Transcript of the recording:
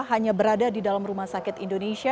hanya berada di dalam rumah sakit indonesia